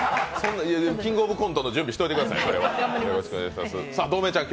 「キングオブコント」の準備しといてください。